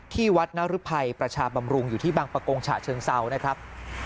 ที่วัดนรึภัยประชาบำรุงอยู่ที่บางประกงฉะเชิงเซานะครับ